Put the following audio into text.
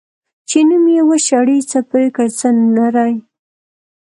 چی نوم یی وی شړي ، څه پریکړه ځه نري .